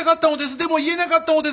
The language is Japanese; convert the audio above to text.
でも言えなかったのです。